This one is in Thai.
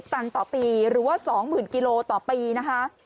ตันต่อปีหรือว่า๒๐๐๐กิโลต่อปีนะคะ